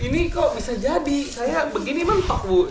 ini kok bisa jadi saya begini mentok bu